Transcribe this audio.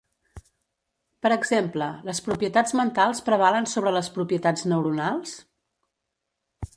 Per exemple, les propietats mentals prevalen sobre les propietats neuronals?